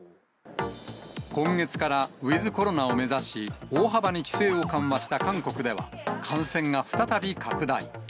今月からウィズコロナを目指し、大幅に規制を緩和した韓国では、感染が再び拡大。